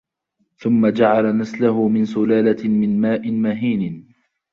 ثُمَّ جَعَلَ نَسلَهُ مِن سُلالَةٍ مِن ماءٍ مَهينٍ